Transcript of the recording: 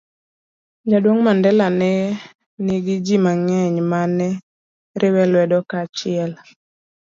Jaduong' Mandela ne nigi ji mang'eny ma ne riwe lwedo kaachiel